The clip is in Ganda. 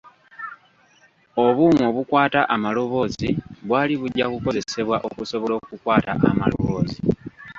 Obuuma obukwata amaloboozi bwali bujja kukozesebwa okusobola okukwata amaloboozi.